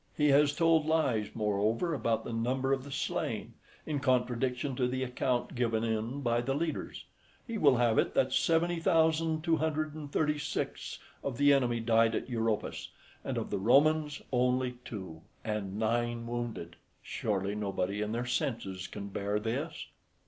He has told lies, moreover, about the number of the slain, in contradiction to the account given in by the leaders. He will have it that seventy thousand two hundred and thirty six of the enemy died at Europus, and of the Romans only two, and nine wounded. Surely nobody in their senses can bear this.